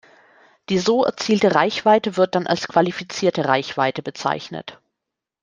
Die so erzielte Reichweite wird dann als qualifizierte Reichweite bezeichnet.